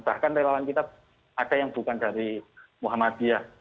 bahkan relawan kita ada yang bukan dari muhammadiyah